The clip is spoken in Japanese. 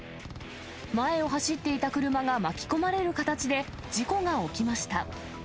前を走っていた車が巻き込まれる形で事故が起きました。